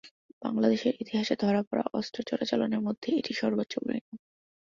বাংলাদেশের ইতিহাসে ধরা পড়া অস্ত্র চোরাচালানের মধ্যে এটি সর্বোচ্চ পরিমাণ।